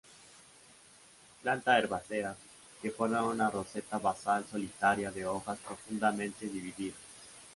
Planta herbácea que forma una roseta basal solitaria de hojas profundamente divididas.